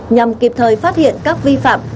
nhằm kịp thời phát hiện các vi phạm